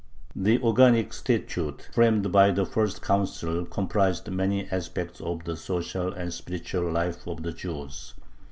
The organic statute, framed by the first Council, comprises many aspects of the social and spiritual life of the Jews.